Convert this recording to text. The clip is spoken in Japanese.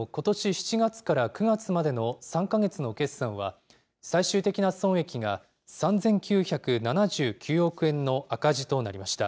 ７月から９月までの３か月の決算は、最終的な損益が３９７９億円の赤字となりました。